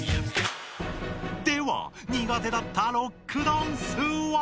では苦手だったロックダンスは？